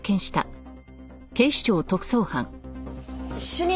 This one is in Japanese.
主任！